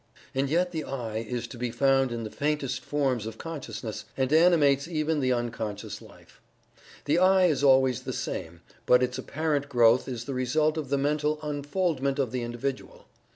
And yet the "I" is to be found in the faintest forms of consciousness, and animates even the unconscious life. The "I" is always the same, but its apparent growth is the result of the mental unfoldment of the individual.